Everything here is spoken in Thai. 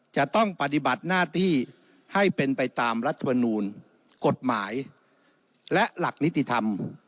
จะต้องปฏิบัติหน้าที่ให้เป็นไปตามรัฐมนูลกฎหมายและหลักนิติธรรม